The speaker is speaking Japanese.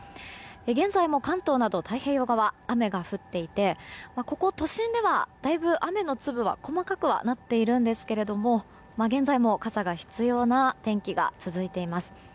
現在も関東など太平洋側では雨が降っていてここ都心ではだいぶ雨の粒は細かくはなっているんですが現在も傘が必要な天気が続いています。